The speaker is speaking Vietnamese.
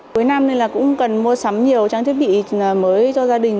cuối năm nên là cũng cần mua sắm nhiều trang thiết bị mới cho gia đình